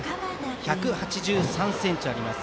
１８３ｃｍあります。